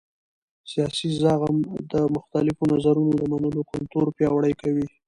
سیاسي زغم د مختلفو نظرونو د منلو کلتور پیاوړی کوي